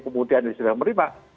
kemudian sudah menerima